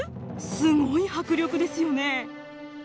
すごい迫力ですよね！